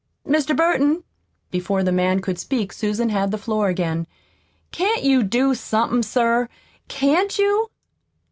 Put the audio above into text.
"Mr. Burton!" Before the man could speak Susan had the floor again. "Can't you do somethin', sir? Can't you?"